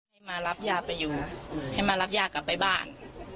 ให้มารับย่าไปอยู่ให้มารับย่ากลับไปบ้าน